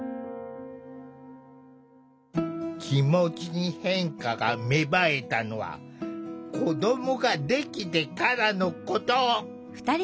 気持ちに変化が芽生えたのは子どもができてからのこと。